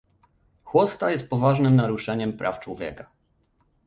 Chłosta jest poważnym naruszeniem praw człowieka